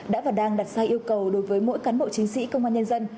đã và đang đặt sai yêu cầu đối với mỗi cán bộ chính sĩ công an nhân dân